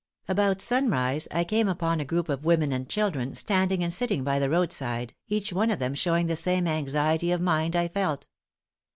About sunrise I came upon a group of women and children, standing and sitting by the roadside, each one of them showing the same anxiety of mind I felt.